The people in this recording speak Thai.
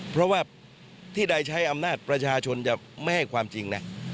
เพราะว่าที่ใดใช้อำนาจประชาชนจะไม่ให้ความจริงนะ